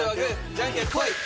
じゃんけんぽい！